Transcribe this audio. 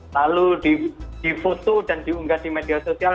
lalu di foto dan diunggah di media sosial